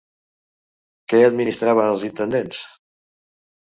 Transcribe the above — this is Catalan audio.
Què administraven els intendents?